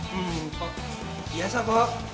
hmm kok biasa kok